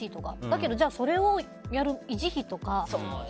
だけどそれをやる維持費とか。